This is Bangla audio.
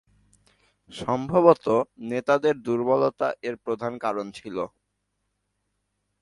সম্ভবত নেতৃত্বের দুর্বলতা এর প্রধান কারণ ছিল।